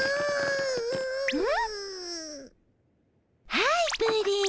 はいプリン。